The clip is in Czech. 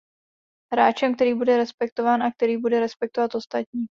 Hráčem, který bude respektován a který bude respektovat ostatní.